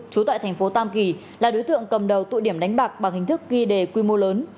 chú tại tp tam kỳ là đối tượng cầm đầu tội điểm đánh bạc bằng hình thức ghi đề quy mô lớn